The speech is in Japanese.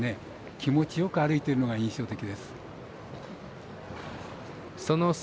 気持ちよく歩いているのが印象的です。